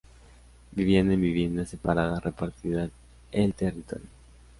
Vivían en viviendas separadas repartidas el territorio.